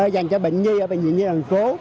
dành cho bệnh nhi ở bệnh viện nhiên hàng phố